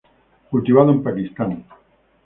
Cultivado en Pakistán.